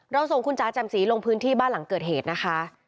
ส่งคุณจ๋าแจ่มสีลงพื้นที่บ้านหลังเกิดเหตุนะคะ